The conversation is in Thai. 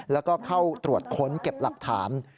แล้วก็เข้าตรวจค้นเก็บหลักฐาน